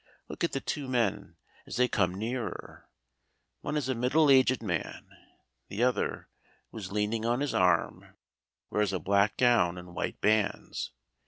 Look at the two men as they come nearer. One is a middle aged man; the other, who is leaning on his arm, wears a black gown and white bands.